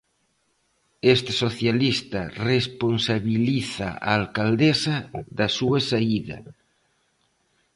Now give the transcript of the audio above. Este socialista responsabiliza a alcaldesa da súa saída.